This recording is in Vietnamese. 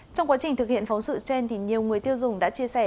trong quá trình thực hiện phóng sự trên thì nhiều người tiêu dùng đã chia sẻ